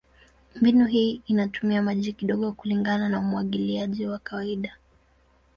Mbinu hii inatumia maji kidogo kulingana na umwagiliaji wa kawaida.